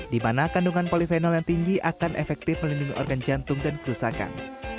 di mana kandungan polifenol yang tinggi akan efektif melindungi organ jantung dan kerusakan